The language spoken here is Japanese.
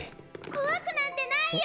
・怖くなんてないよ！